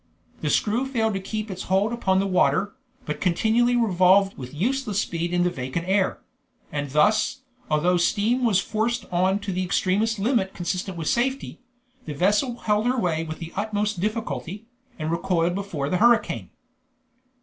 The screw failed to keep its hold upon the water, but continually revolved with useless speed in the vacant air; and thus, although the steam was forced on to the extremest limit consistent with safety, the vessel held her way with the utmost difficulty, and recoiled before the hurricane.